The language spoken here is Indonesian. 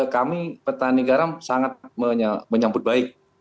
kami petani garam sangat menyambut baik